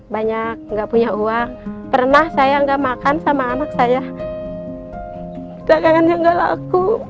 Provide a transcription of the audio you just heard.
banyak enggak punya uang pernah saya enggak makan sama anak saya dagangannya enggak laku